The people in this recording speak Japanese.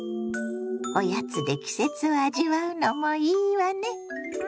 おやつで季節を味わうのもいいわね。